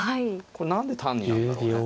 これ何で単になんだろうね。